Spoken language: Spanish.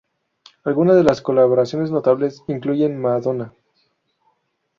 Algunas de sus colaboraciones notables incluyen Madonna.